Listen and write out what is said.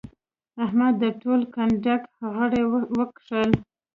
احمد د ټول کنډک غړي وکښل.